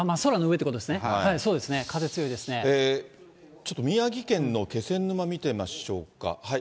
ちょっと宮城県の気仙沼見てみましょうか。